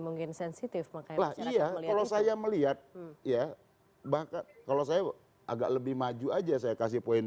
mungkin sensitif maka iya kalau saya melihat ya bahkan kalau saya agak lebih maju aja saya kasih poin